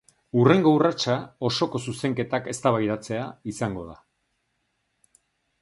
Hurrengo urratsa osoko zuzenketak eztabaidatzea izango da.